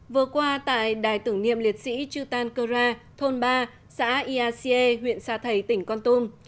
vừa qua tại đài tưởng niệm liệt sĩ chư tan cơ ra thôn ba xã ia xie huyện sa thầy tỉnh con tum